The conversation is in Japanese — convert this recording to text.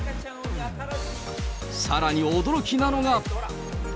さらに驚きなのが。